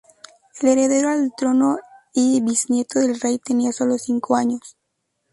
El heredero al trono y bisnieto del Rey, tenía sólo cinco años.